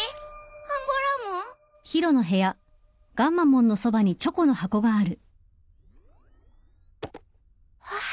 アンゴラモン？あっ。